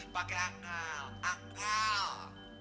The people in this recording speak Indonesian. pakai akal akal